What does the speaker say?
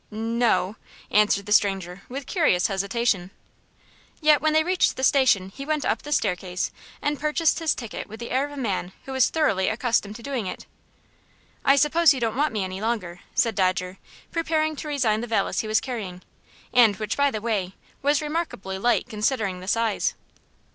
"N no," answered the stranger, with curious hesitation. Yet when they reached the station he went up the staircase and purchased his ticket with the air of a man who was thoroughly accustomed to doing it. "I suppose you don't want me any longer," said Dodger, preparing to resign the valise he was carrying, and which, by the way, was remarkably light considering the size.